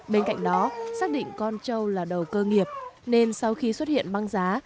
bên cạnh đó xác định con châu là đầu cơ nghiệp nên sau khi xuất hiện băng giá